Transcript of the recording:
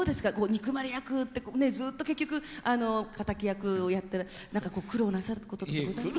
憎まれ役ってねずっと結局敵役をやって何かこう苦労なさることとかございますか？